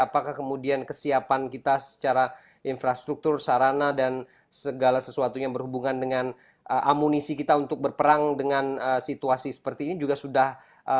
apakah kemudian kesiapan kita secara infrastruktur sarana dan segala sesuatu yang berhubungan dengan amunisi kita untuk berperang dengan situasi seperti ini juga sudah